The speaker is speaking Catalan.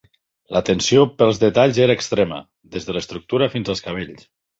L'atenció pels detalls era extrema, des de l'estructura fins als cabells.